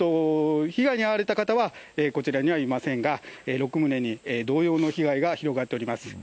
被害に遭われた方は、こちらにはいませんが、６棟に同様の被害が広がっております。